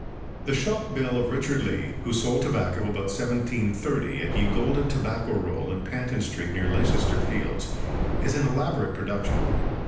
The shop bill of Richard Lee, who sold tobacco about 1730 "at Ye Golden Tobacco Roll in Panton Street near Leicester Fields," is an elaborate production.